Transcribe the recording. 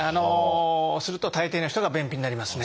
すると大抵の人が便秘になりますね。